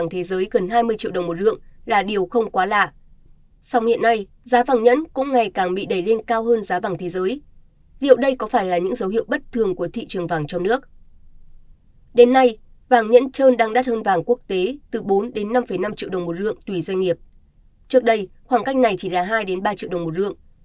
trước đây khoảng cách này chỉ là hai đến ba triệu đồng một lượng